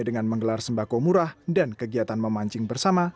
dengan menggelar sembako murah dan kegiatan memancing bersama